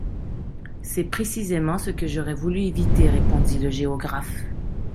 C’est précisément ce que j’aurais voulu éviter, répondit le géographe.